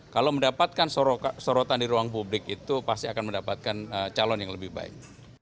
kalau mendapatkan sorotan di ruang publik itu pasti akan mendapatkan calon yang lebih baik